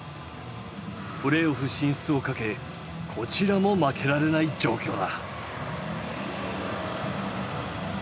プレーオフ進出をかけこちらも負けられない状況だ。